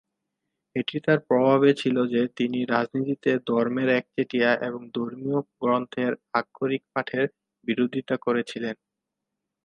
এটি তার প্রভাবে ছিল যে তিনি রাজনীতিতে ধর্মের একচেটিয়া এবং ধর্মীয় গ্রন্থের আক্ষরিক পাঠের বিরোধিতা করেছিলেন।